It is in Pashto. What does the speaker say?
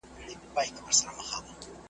شمعي که بلېږې نن دي وار دی بیا به نه وینو .